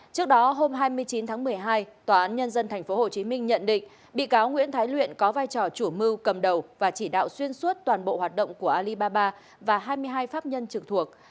trước đó hôm hai mươi chín tháng một mươi hai tòa án nhân dân tp hcm nhận định bị cáo nguyễn thái luyện có vai trò chủ mưu cầm đầu và chỉ đạo xuyên suốt toàn bộ hoạt động của alibaba và hai mươi hai pháp nhân trực thuộc